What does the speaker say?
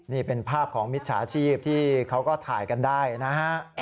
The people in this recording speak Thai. นี่เป็นภาพของมิจฉาชีพที่เขาก็ถ่ายกันได้นะฮะ